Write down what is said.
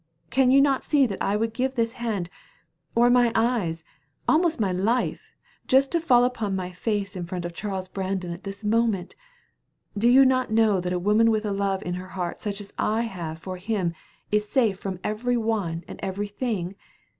Can you not see that I would give this hand, or my eyes, almost my life, just to fall upon my face in front of Charles Brandon at this moment? Do you not know that a woman with a love in her heart such as I have for him is safe from every one and everything?